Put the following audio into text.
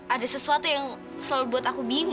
ada sesuatu yang selalu buat aku bingung